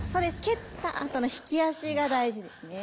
蹴ったあとの引き足が大事ですね